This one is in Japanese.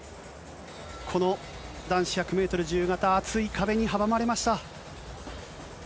この男子１００メートル自由形、厚い壁に阻まれました。